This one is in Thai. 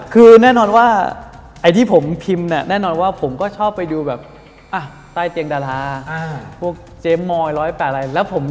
คือแน่นอนว่าไอ้ที่ผมพิมพ์เนี่ยแน่นอนว่าผมก็ชอบไปดูแบบอ่ะใต้เตียงดาราพวกเจมสอย๑๐๘อะไรแล้วผม